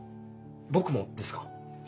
僕もですか？